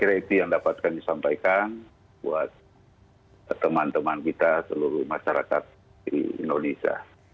terima kasih yang dapat disampaikan buat teman teman kita seluruh masyarakat di indonesia